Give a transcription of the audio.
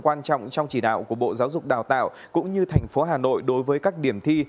quan trọng trong chỉ đạo của bộ giáo dục đào tạo cũng như thành phố hà nội đối với các điểm thi